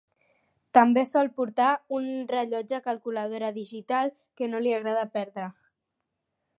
També sòl portar un rellotge calculadora digital que no li agrada perdre.